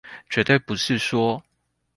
絕對不是說